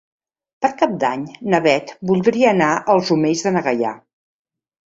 Per Cap d'Any na Bet voldria anar als Omells de na Gaia.